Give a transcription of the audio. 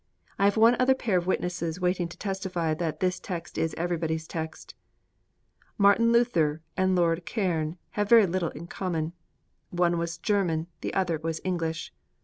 I have one other pair of witnesses waiting to testify that this text is Everybody's Text. Martin Luther and Lord Cairns have very little in common. One was German; the other was English.